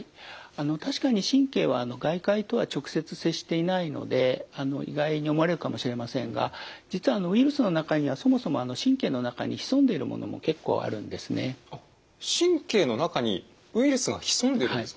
あの確かに神経は外界とは直接接していないので意外に思われるかもしれませんが実はウイルスの中にはそもそも神経の中にウイルスが潜んでいるんですか？